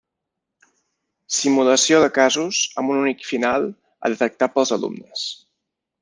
Simulació de casos amb un únic final a detectar pels alumnes.